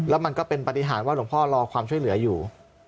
แล้วมันก็เป็นปฏิหารว่าหลวงพ่อรอความช่วยเหลืออยู่